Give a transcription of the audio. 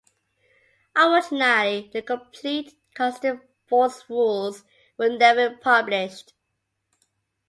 Unfortunately the complete custom force rules were never published.